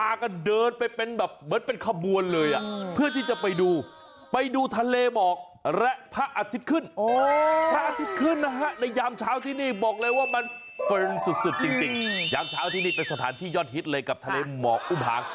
อันนี้เป็นสถานที่ยอดฮิตเลยกับทะเลหมอกอุ่มผัง